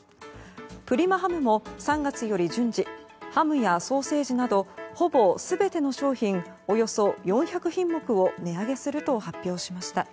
プリマハムも、３月より順次ハムやソーセージなどほぼ全ての商品およそ４００品目を値上げすると発表しました。